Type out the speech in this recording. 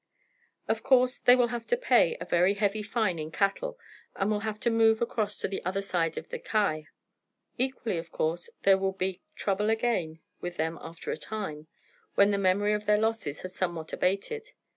Of course they will have to pay a very heavy fine in cattle, and will have to move across to the other side of the Kei. Equally of course there will be trouble again with them after a time, when the memory of their losses has somewhat abated.